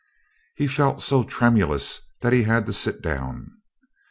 He felt so tremulous that he had to sit down.